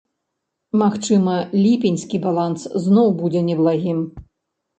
Магчыма, ліпеньскі баланс зноў будзе неблагім.